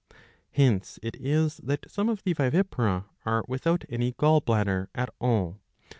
Hence it is that some of the vivipara are without any gall bladder ^ at all.